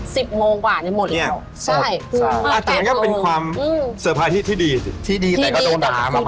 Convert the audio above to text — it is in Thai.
สิบโมงกว่านี่หมดหรอใช่อาจจะเป็นความสเตอร์ไพรส์ที่ดีที่ดีแต่ก็โดนด่ามากกว่าทั้งนึง